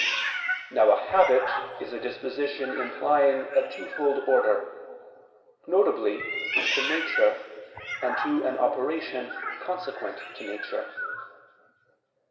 Now a habit is a disposition implying a twofold order: viz. to nature and to an operation consequent to nature.